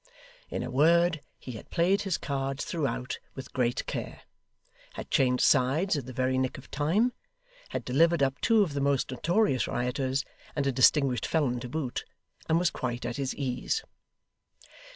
In a word, he had played his cards throughout, with great care; had changed sides at the very nick of time; had delivered up two of the most notorious rioters, and a distinguished felon to boot; and was quite at his ease.